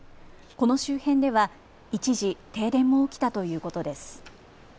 この周辺では一時、停電も起きたということです。